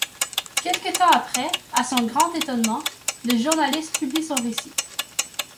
Quelque temps après, à son grand étonnement, le journaliste publie son récit.